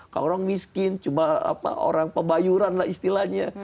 kalau orang miskin cuma orang pebayuran lah istilahnya